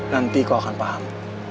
nanti kau akan paham